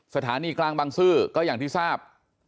สถานีกลางบางซื่อก็อย่างที่ทราบ